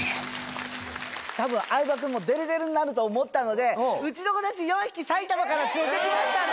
たぶん相葉くんもデレデレになると思ったのでうちの子たち４匹埼玉から連れて来ました私。